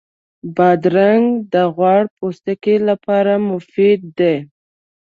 بادرنګ د غوړ پوستکي لپاره مفید دی.